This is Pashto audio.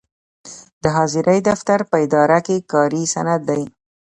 د حاضرۍ دفتر په اداره کې کاري سند دی.